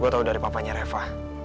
gue tahu dari papanya reva